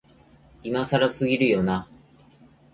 今更すぎるよな、